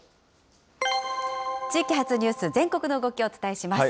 地域発ニュース、全国の動きをお伝えします。